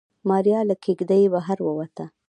ماريا له کېږدۍ بهر ووته.